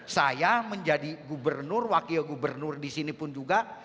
saya menjadi gubernur wakil gubernur disini pun juga